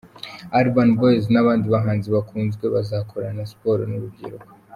Urban Boyz n’abandi bahanzi bakunzwe bazakorana siporo n’urubyiruko.